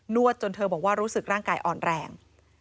วดจนเธอบอกว่ารู้สึกร่างกายอ่อนแรง